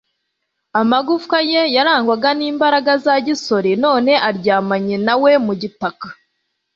amagufa ye yarangwaga n'imbaraga za gisore, none aryamanye na we mu gitaka